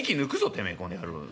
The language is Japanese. てめえこの野郎。